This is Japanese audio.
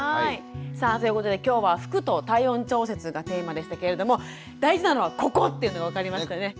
さあということで今日は「服と体温調節」がテーマでしたけれども大事なのはここっていうのが分かりましたね。